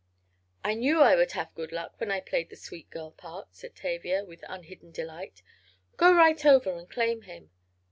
"I knew I would have good luck when I played the sweet girl part," said Tavia, with unhidden delight. "Go right over and claim him."